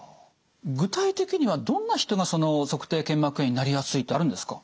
具体的にはどんな人が足底腱膜炎になりやすいってあるんですか？